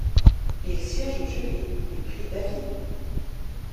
Il siège au jury du prix David.